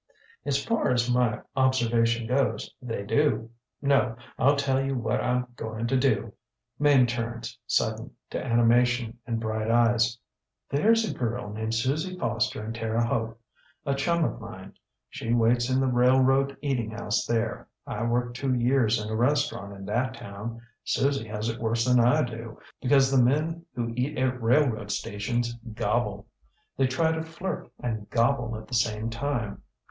ŌĆÖ ŌĆ£ŌĆśAs far as my observation goes, they do. No, IŌĆÖll tell you what IŌĆÖm going to do. ŌĆÖ Mame turns, sudden, to animation and bright eyes. ŌĆśThereŌĆÖs a girl named Susie Foster in Terre Haute, a chum of mine. She waits in the railroad eating house there. I worked two years in a restaurant in that town. Susie has it worse than I do, because the men who eat at railroad stations gobble. They try to flirt and gobble at the same time.